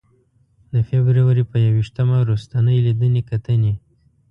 د فبروري په ی ویشتمه روستۍ لیدنې کتنې.